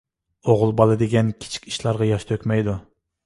ئوغۇل بالا دېگەن كىچىك ئىشلارغا ياش تۆكمەيدۇ.